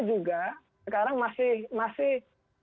juga sekarang masih